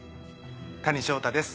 谷勝太です